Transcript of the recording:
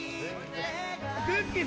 くっきー！